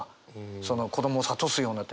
その子どもを諭すようなって。